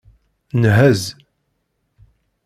Nhez.